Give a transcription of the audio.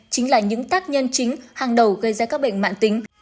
chính là những tác nhân chính hàng đầu gây ra các bệnh mạng tính